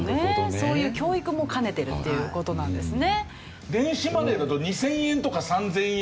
そういう教育も兼ねてるっていう事なんですね。